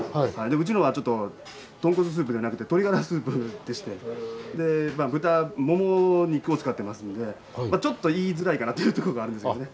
うちのはちょっと豚骨スープじゃなくて鶏ガラスープでして豚モモ肉を使ってますんでちょっと言いづらいかなというとこがあるんですよね。